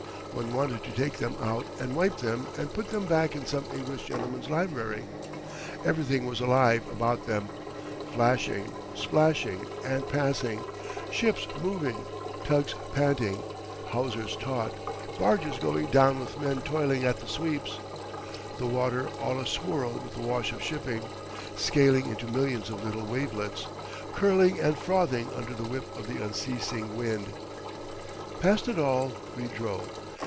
One wanted to take them out and wipe them and put them back in some English gentleman's library. Everything was alive about them, flash ing, splashing, and passing, ships moving, tugs panting, hawsers taut, barges going down with men toiling at the sweeps, the water all a swirl with the wash of shipping, scaling into millions of little wavelets, curling and frothing under the whip of the unceasing wind. Past it all we drove.